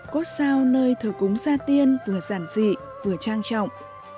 cốt sao nơi thờ cúng gia tiên vừa giàn dị vừa trang trọng